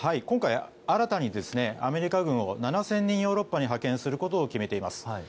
今回、新たにアメリカ軍７０００人をヨーロッパに派遣することを決めています。